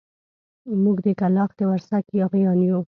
موږ د کلاخ د ورسک ياغيان يو.